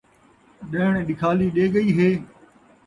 ݙیݨ ݙکھالی ݙے ڳئی ہے ؟